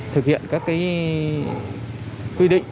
thực hiện các quy định